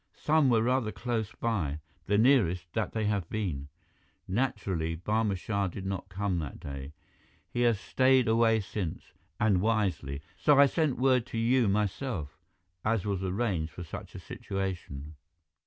Some were rather close by, the nearest that they have been. Naturally, Barma Shah did not come that day. He has stayed away since and wisely so I sent word to you myself, as was arranged for such a situation."